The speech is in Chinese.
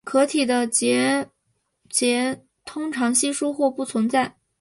壳体的结节通常稀疏或不存在。